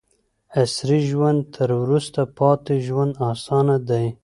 عصري ژوند تر وروسته پاتې ژوند اسانه دی.